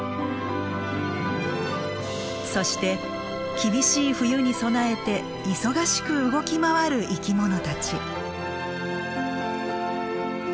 そして厳しい冬に備えて忙しく動き回る生きものたち。